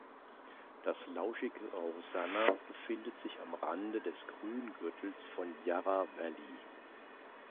Das lauschige Rosanna befindet sich am Rande des Grüngürtels von Yarra Valley.